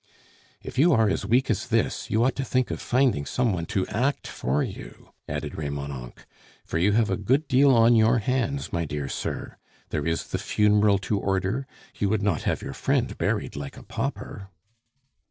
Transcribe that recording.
"If you are as weak as this, you ought to think of finding some one to act for you," added Remonencq, "for you have a good deal on your hands, my dear sir. There is the funeral to order. You would not have your friend buried like a pauper!"